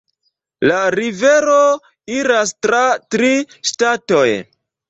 La rivero iras tra tri ŝtatoj.